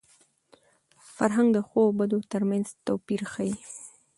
فرهنګ د ښو او بدو تر منځ توپیر ښيي.